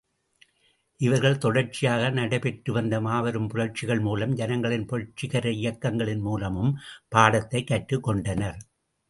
இவர்கள் தொடர்ச்சியாக நடைபெற்றுவந்த மாபெரும் புரட்சிகள் மூலம் ஜனங்களின் புரட்சிகர இயக்கங்களின் மூலமும் பாடத்தைக் கற்றுக் கொண்டனர்.